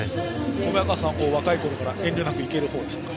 小早川さんも若いころから遠慮なく行けるほうでしたか？